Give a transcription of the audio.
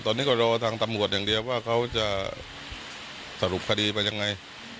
ตอนนี้ก็รอทางตำรวจอย่างเดียวว่าเขาจะสรุปคดีไปยังไง